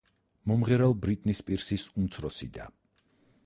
მომღერალ ბრიტნი სპირსის უმცროსი და.